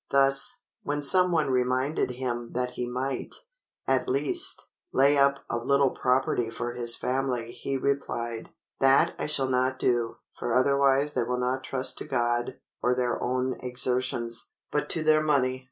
Thus, when some one reminded him that he might, at least, lay up a little property for his family, he replied, "That I shall not do; for otherwise they will not trust to God or their own exertions, but to their money."